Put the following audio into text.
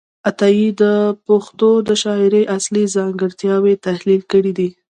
عطايي د پښتو د شاعرۍ اصلي ځانګړتیاوې تحلیل کړې دي.